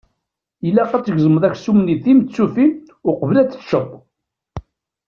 Ilaq-ak ad tgezmeḍ aksum-nni d timettufin uqbel ad t-teččeḍ.